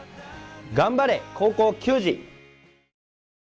頑張れ、高校球児！